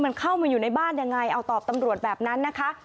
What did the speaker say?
มันเข้ามาอยู่ในบ้านยังไงเอาตอบตำรวจแบบนั้นนะคะ